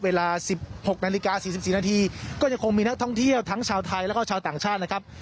เวลา๑๖นาฬิกา๔๔นาทีก็ยังคงมีนักท่องเที่ยวทั้งชาวไทยแล้วก็ชาวต่างชาตินะครับ